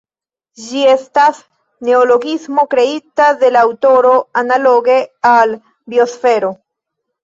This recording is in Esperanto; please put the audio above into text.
Ĝi estas neologismo kreita de la aŭtoro analoge al "biosfero".